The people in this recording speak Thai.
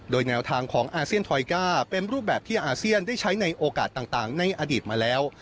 โดยแนวทางของอาเซียนทอยก้าเป็นรูปแบบที่อาเซียนได้ใช้ในโอกาสต่างในอดีตมาแล้ว